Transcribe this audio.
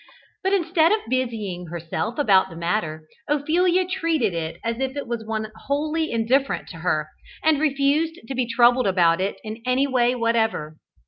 But instead of busying herself about the matter, Ophelia treated it as if it was one wholly indifferent to her, and refused to be troubled about it in any way whatever.